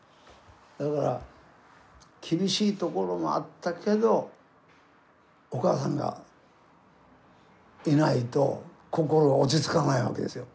だから厳しいところもあったけどお母さんがいないと心が落ち着かないわけですよ。